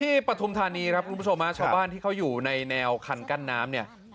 ปฐุมธานีครับคุณผู้ชมฮะชาวบ้านที่เขาอยู่ในแนวคันกั้นน้ำเนี่ย